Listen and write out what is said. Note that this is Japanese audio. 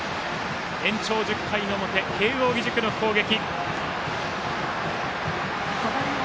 延長１０回の表慶応義塾の攻撃。